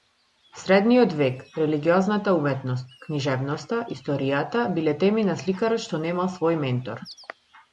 Средниот век, религиозната уметност, книжевноста, историјата, биле теми на сликарот што немал свој ментор.